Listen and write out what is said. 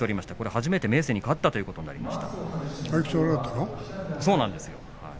初めて明生に勝ったということになります。